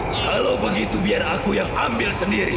kalau begitu biar aku yang ambil sendiri